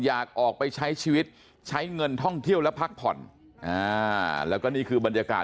อยากออกไปใช้ชีวิตใช้เงินท่องเที่ยวและพักผ่อนอ่าแล้วก็นี่คือบรรยากาศ